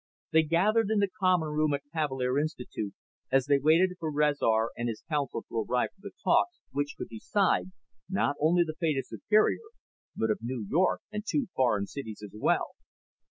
They gathered in the common room at Cavalier Institute as they waited for Rezar and his council to arrive for the talks which could decide, not only the fate of Superior, but of New York and two foreign cities as well.